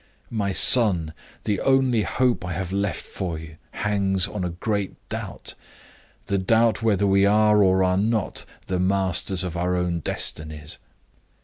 My son! the only hope I have left for you hangs on a great doubt the doubt whether we are, or are not, the masters of our own destinies.